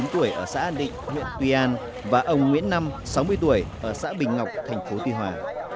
bốn mươi tuổi ở xã an định huyện tuy an và ông nguyễn năm sáu mươi tuổi ở xã bình ngọc thành phố tuy hòa